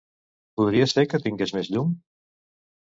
Podries fer que tingués més llum?